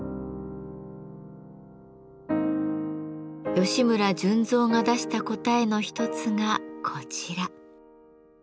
吉村順三が出した答えの一つがこちら。